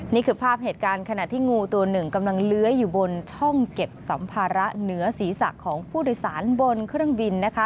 นี่คือภาพเหตุการณ์ขณะที่งูตัวหนึ่งกำลังเลื้อยอยู่บนช่องเก็บสัมภาระเหนือศีรษะของผู้โดยสารบนเครื่องบินนะคะ